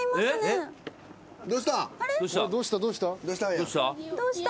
どうした？